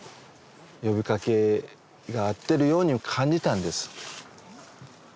呼びかけがあるように感じたんです。